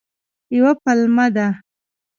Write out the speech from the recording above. یوه پلمه ده.